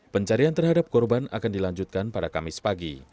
pencarian terhadap korban akan dilanjutkan pada kamis pagi